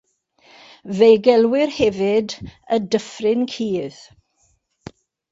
Fe'i gelwir hefyd "Y Dyffryn Cudd".